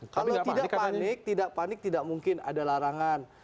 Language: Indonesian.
kalau tidak panik tidak mungkin ada larangan